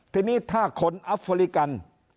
ทีนี้ถ้าคนอัฟริกัน